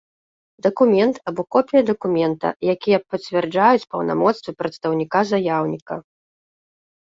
Дакумент або копiя дакумента, якiя пацвярджаюць паўнамоцтвы прадстаўнiка заяўнiка.